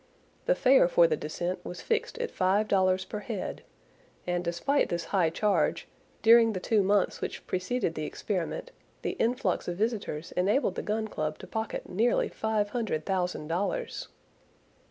The fare for the descent was fixed at five dollars per head; and despite this high charge, during the two months which preceded the experiment, the influx of visitors enabled the Gun Club to pocket nearly five hundred thousand dollars!